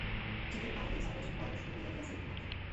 চিকের আড়ালে জায়গার জন্য কলহ শুরু হইয়া গিয়াছে ইতিমধ্যেই।